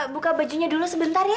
buka bajunya dulu sebentar ya